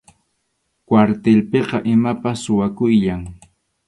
Kwartilpiqa imapas suwakuyllam.